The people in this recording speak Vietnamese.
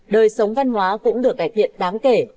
đời sống văn hóa cũng được cải thiện đáng kể